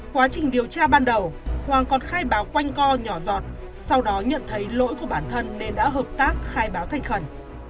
quá trình điều tra ban đầu hoàng còn khai báo quanh co nhỏ giọt sau đó nhận thấy lỗi của bản thân nên đã hợp tác khai báo thành khẩn